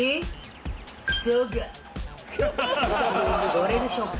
どれでしょうか？